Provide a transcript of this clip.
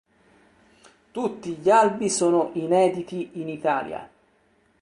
Tutti gli albi sono inediti in Italia.